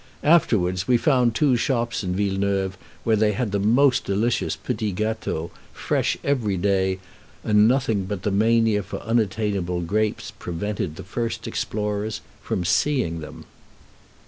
Afterwards we found two shops in Villeneuve where they had the most delicious petits gâteaux, fresh every day, and nothing but the mania for unattainable grapes prevented the first explorers from seeing them.